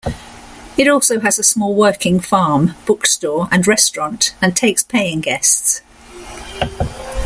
It also has a small working farm, bookstore and restaurant and takes paying guests.